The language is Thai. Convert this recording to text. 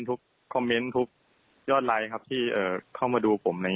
ทุกคอมเมนต์ทุกยอดไลค์ที่เข้ามาดูผม